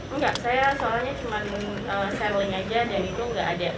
enggak saya soalnya cuma sharing aja dan itu nggak ada